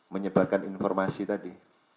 menyebarkan informasi tadi